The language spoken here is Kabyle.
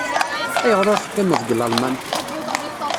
Ayɣer ur teqqimeḍ deg Lalman?